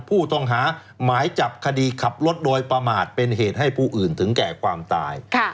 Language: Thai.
ผู้ต้องหาหมายจับคดีขับรถโดยประมาทเป็นเหตุให้ผู้อื่นถึงแก่ความตาย